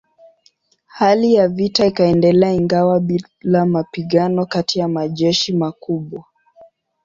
Hali ya vita ikaendelea ingawa bila mapigano kati ya majeshi makubwa.